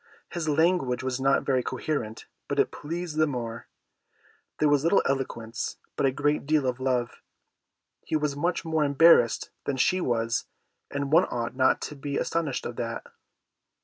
His language was not very coherent, but it pleased the more. There was little eloquence, but a great deal of love. He was much more embarrassed than she was, and one ought not to be astonished at that.